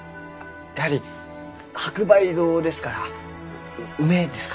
やはり白梅堂ですから梅ですか？